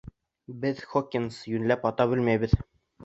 Беҙ, Хокинс, йүнләп ата белмәйбеҙ.